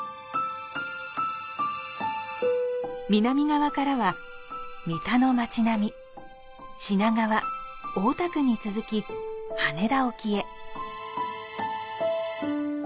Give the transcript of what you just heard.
南側からは三田の町並み、品川、大田区に続き羽田沖へ。